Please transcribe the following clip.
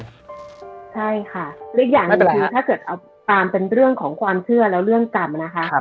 ใช่ค่ะอีกอย่างหนึ่งคือถ้าเกิดเอาตามเป็นเรื่องของความเชื่อแล้วเรื่องกรรมนะคะ